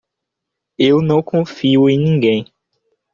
Eu não confio em ninguém.